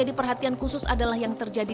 dia menyuruh saya lagi